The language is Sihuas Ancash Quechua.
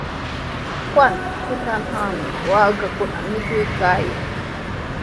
Qutra kutruntrawmi waakakuna mikuykan.